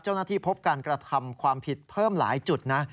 เจ้าหน้าที่พบการกระทำความผิดเพิ่มหลายจุดนะ